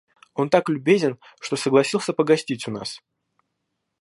Он так любезен, что согласился погостить у нас.